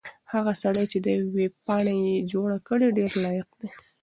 هغه سړی چې دا ویبپاڼه یې جوړه کړې ډېر لایق دی.